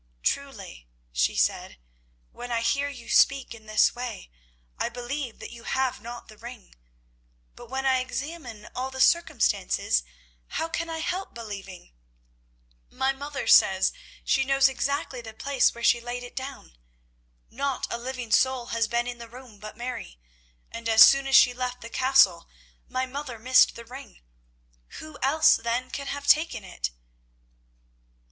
"Truly," she said, "when I hear you speak in this way, I believe that you have not the ring; but when I examine all the circumstances how can I help believing? My mother says she knows exactly the place where she laid it down. Not a living soul has been in the room but Mary, and as soon as she left the Castle my mother missed the ring. Who else, then, can have taken it?"